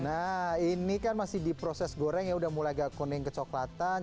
nah ini kan masih di proses goreng ya udah mulai agak kuning kecoklatan